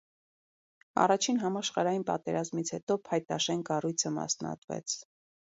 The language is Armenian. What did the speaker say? Առաջին համաշխարհային պատերազմից հետո փայտաշեն կառույցը մասնատվեց։